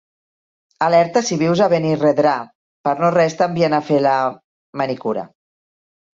Alerta si vius a Benirredrà, per no-res t'envien a fer la... manicura.